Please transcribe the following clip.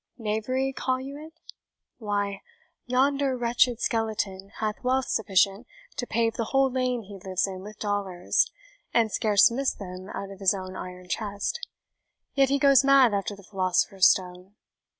Knavery, call you it? Why, yonder wretched skeleton hath wealth sufficient to pave the whole lane he lives in with dollars, and scarce miss them out of his own iron chest; yet he goes mad after the philosopher's stone.